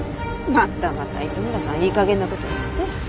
またまた糸村さんいい加減な事言って。